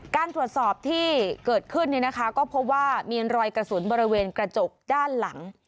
การตรวจสอบที่เกิดขึ้นก็พบว่ามีรอยกระสุนบริเวณกระจกด้านหลัง